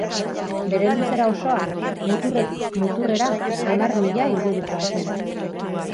Bere luzera osoa, muturretik muturrera, hamar milia ingurukoa zen.